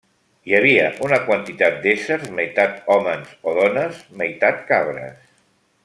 Hi havia una quantitat d’éssers, meitat hòmens o dones, meitat cabres.